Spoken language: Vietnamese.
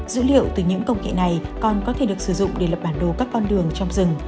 dữ liệu từ những công nghệ này còn có thể được sử dụng để lập bản đồ các con đường trong rừng